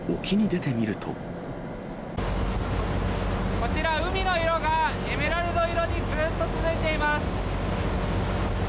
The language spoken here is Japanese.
こちら、海の色がエメラルド色にずっと続いています。